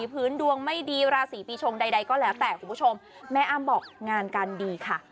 พื้นดวงไม่ดีราศีปีชงใดก็แล้วแต่คุณผู้ชมแม่อ้ำบอกงานการดีค่ะ